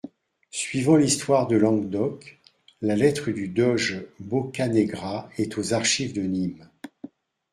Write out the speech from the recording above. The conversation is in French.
Suivant l'histoire de Languedoc, la lettre du doge Boccanegra est aux archives de Nîmes.